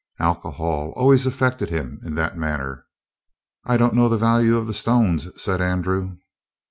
Alcohol always affected him in that manner. "I don't know the value of the stones," said Andrew.